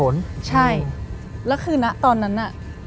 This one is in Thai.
แล้วคือตอนนั้นน่ะ